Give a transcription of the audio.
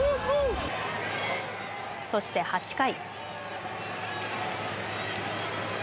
そして８回。